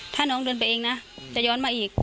ถ้าน้องเดินไปเองนะจะย้อนมาอีก